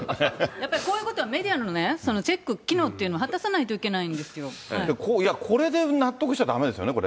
やっぱりこういうことはメディアのチェック、機能っていうのこれで納得しちゃだめですよ